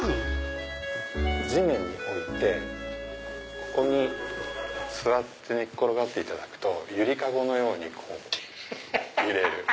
地面に置いてここに座って寝転がっていただくと揺り籠のように揺れる。